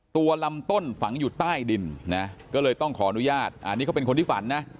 ลำต้นฝังอยู่ใต้ดินนะก็เลยต้องขออนุญาตอันนี้เขาเป็นคนที่ฝันนะ